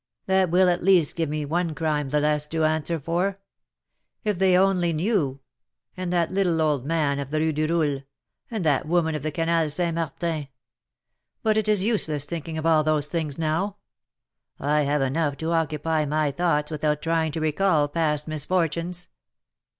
"That will at least give me one crime the less to answer for. If they only knew And that little old man of the Rue du Roule and that woman of the Canal St. Martin But it is useless thinking of all those things now; I have enough to occupy my thoughts without trying to recall past misfortunes.